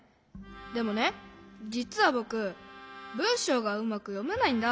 でもねじつはぼくぶんしょうがうまくよめないんだ。